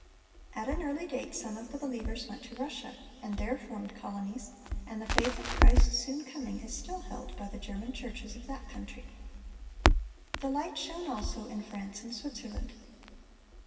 At an early date some of the believers went to Russia, and there formed colonies, and the faith of Christ's soon coming is still held by the German churches of that country. The light shone also in France and Switzerland.